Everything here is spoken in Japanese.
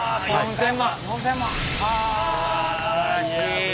はあすばらしい。